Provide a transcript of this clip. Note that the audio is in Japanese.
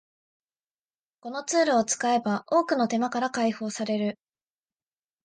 このツールを使えば多くの手間から解放される